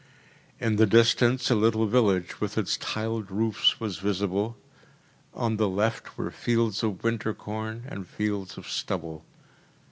In the distance a little village with its tiled roofs was visible; on the left were fields of winter corn, and fields of stubble.